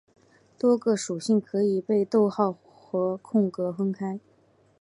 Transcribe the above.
多个属性可以被逗号和空格分开。